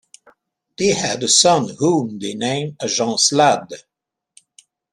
They had a son whom they named Jean Slade.